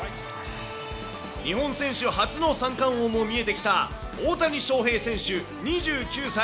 日本選手初の三冠王も見えてきた、大谷翔平選手２９歳。